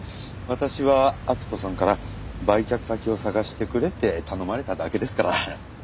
私は温子さんから売却先を探してくれって頼まれただけですから。